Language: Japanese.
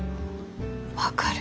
分かる。